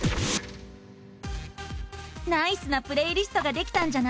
ナイスなプレイリストができたんじゃない！